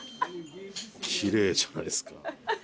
キレイじゃないですか。